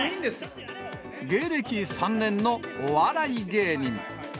芸歴３年のお笑い芸人。